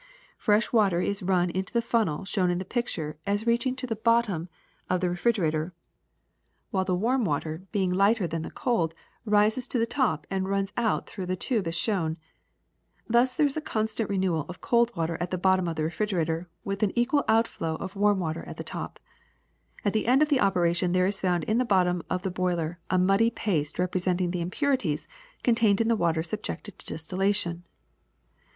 Fresh water is run into the funnel shown in the picture as reaching to the bottom of the DISTILLATION Ml refrigerator, while the warm water, being lighter than the cold, rises to the top and runs out through the tube also shown. There is thus a constant re newal of cold water at the bottom of the refrigerator, with an equal outflow of warm water at the top. At the end of the operation there is found in the bot tom of the boiler a muddy paste representing the im purities contained in the water subjected to distil lation.